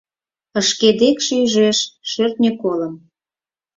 Шке декше ӱжеш шӧртньӧ колым